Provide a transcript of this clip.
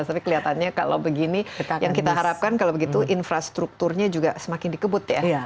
tapi kelihatannya kalau begini yang kita harapkan kalau begitu infrastrukturnya juga semakin dikebut ya